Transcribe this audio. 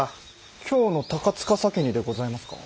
京の鷹司家にでございますか。